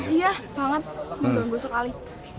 iya banget mengganggu sekali